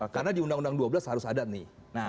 karena di undang undang dua belas harus ada nih